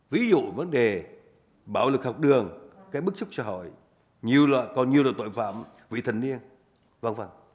ví dụ vấn đề bạo lực học đường cái bức xúc xã hội còn nhiều tội phạm vị thành niên